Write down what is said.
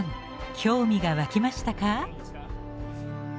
興味が湧きましたか？